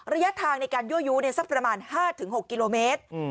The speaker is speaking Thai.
ระยะทางในการยั่วยู้สักประมาณ๕๖กิโลเมตร